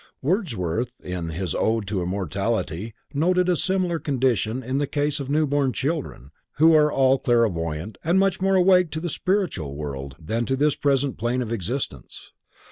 Wordsworth in his Ode to Immortality noted a similar condition in the case of new born children, who are all clairvoyant and much more awake to the spiritual world than to this present plane of existence.